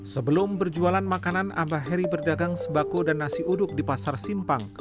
sebelum berjualan makanan abah heri berdagang sembako dan nasi uduk di pasar simpang